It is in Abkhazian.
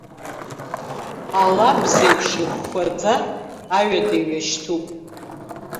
Алабз еиԥш ихәхәаӡа аҩада иҩашьҭуп.